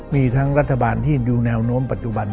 มีทั้งรัฐบาลที่ดูแนวโน้มปัจจุบัน